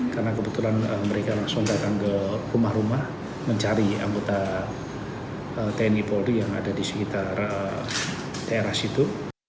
karena kebetulan mereka langsung datang ke rumah rumah mencari anggota tni polri yang ada di sekitar teras itu